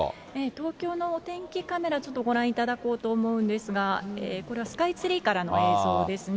東京のお天気カメラ、ちょっとご覧いただこうと思うんですが、これはスカイツリーからの映像ですね。